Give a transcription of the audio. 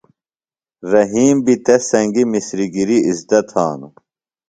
رحیم بیۡ تس سنگیۡ مِسریۡ گریۡ ازدہ تھانوۡ۔